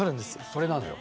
それなのよ。